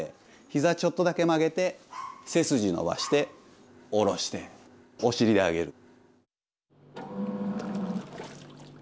ひざちょっとだけ曲げて背筋伸ばして下ろしてお尻で上げる。